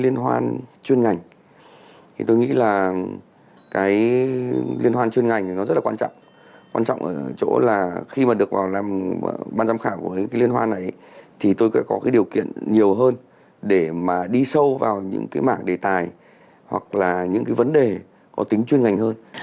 nó rất là quan trọng quan trọng ở chỗ là khi mà được vào làm ban giám khảo của cái liên hoan này thì tôi có điều kiện nhiều hơn để mà đi sâu vào những cái mạng đề tài hoặc là những cái vấn đề có tính chuyên ngành hơn